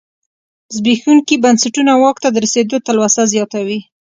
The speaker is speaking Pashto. زبېښونکي بنسټونه واک ته د رسېدو تلوسه زیاتوي.